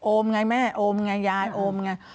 ไงแม่โอมไงยายโอมไง